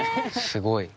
すごい。